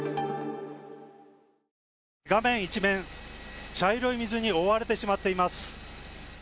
画面一面、茶色い水に覆われてしまっています。